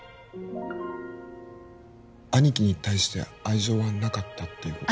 兄貴に対して愛情はなかったっていうこと？